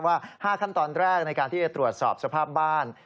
ว่า๕ขั้นตอนแรกในการที่จะตรวจสอบสภาพบ้าน